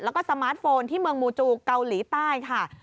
แล้วก็สมาร์ทโฟนที่เมืองมูจูเกาหลีใต้ค่ะ